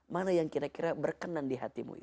mana yang kira kira berkenan di hatimu itu